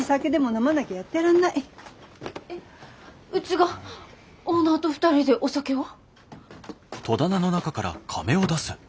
えっうちがオーナーと２人でお酒を？